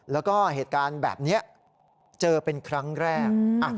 แล้วก็เหตุการณ์แบบนี้เจอเป็นครั้งแรก